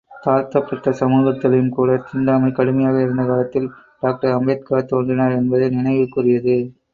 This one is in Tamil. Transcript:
தாழ்த்தப்பட்ட சமூகத்திலும் கூடத் தீண்டாமை கடுமையாக இருந்த காலத்தில் டாக்டர் அம்பேத்கார் தோன்றினார் என்பது நினைவுக்குரியது.